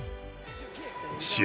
試合